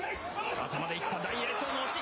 頭でいった、大栄翔の押し。